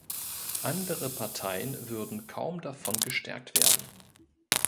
Andere Parteien würden kaum davon gestärkt werden.